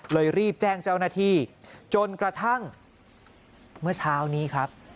รีบแจ้งเจ้าหน้าที่จนกระทั่งเมื่อเช้านี้ครับ